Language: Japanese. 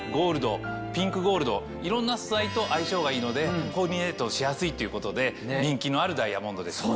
いろんな素材と相性がいいのでコーディネートしやすいっていうことで人気のあるダイヤモンドです。